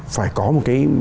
phải có một cái